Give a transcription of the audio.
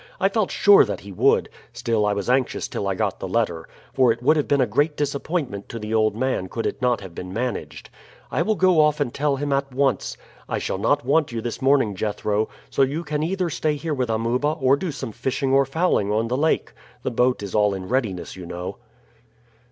"I felt sure that he would; still, I was anxious till I got the letter, for it would have been a great disappointment to the old man could it not have been managed. I will go off and tell him at once. I shall not want you this morning, Jethro; so you can either stay here with Amuba or do some fishing or fowling on the lake. The boat is all in readiness, you know."